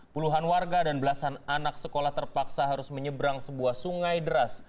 puluhan warga dan belasan anak sekolah terpaksa harus menyeberang sebuah sungai deras